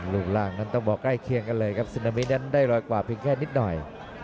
รูปร่างนั้นต้องบอกใกล้เคียงกันเลยครับซึนามินั้นได้รอยกว่าเพียงแค่นิดหน่อย